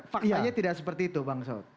faktanya tidak seperti itu bang saud